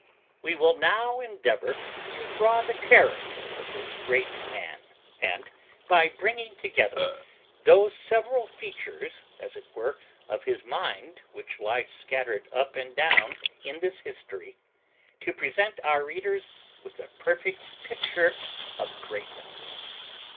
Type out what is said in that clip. We will now endeavour to draw the character of this great man; and, by bringing together those several features as it were of his mind which lie scattered up and down in this history, to present our readers with a perfect picture of greatness.